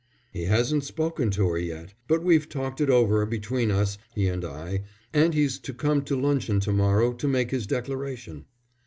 "He hasn't spoken to her yet, but we've talked it over between us, he and I, and he's to come to luncheon to morrow to make his declaration."